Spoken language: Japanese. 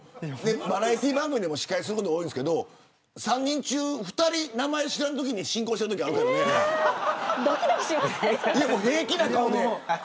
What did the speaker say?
バラエティー番組の司会すること多いんですけど３人中２人、名前知らないで進行してるときあるから平気な顔で。